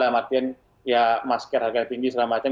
maksudnya ya masker harganya tinggi dan sebagainya